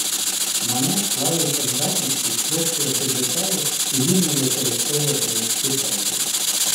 Мане славився здатністю спрощувати деталі і вільно використовувати мазки пензлем.